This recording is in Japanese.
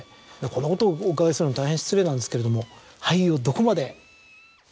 こんなことをお伺いするのも大変失礼なんですけれども。